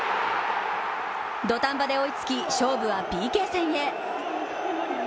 土壇場で追いつき勝負はＰＫ戦へ。